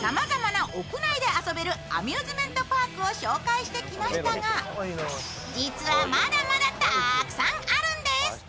さまざまな屋内で遊べるアミューズメントパークを紹介してきましたが実はまだまだたくさんあるんです。